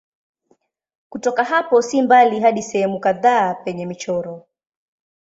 Kutoka hapo si mbali hadi sehemu kadhaa penye michoro.